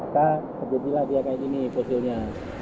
jadi dia seperti ini fosilnya